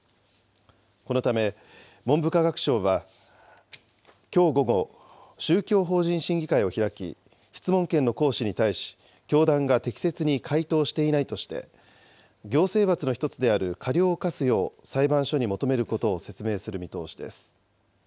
このため、文部科学省はきょう午後、宗教法人審議会を開き、質問権の行使に対し、教団が適切に回答していないとして、行政罰の一つである過料を科すよう、裁判所に求めることを説明する見通しです。